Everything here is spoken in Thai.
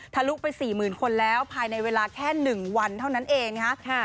ทะลุไปสี่หมื่นคนแล้วภายในเวลาแค่หนึ่งวันเท่านั้นเองเนี่ยฮะ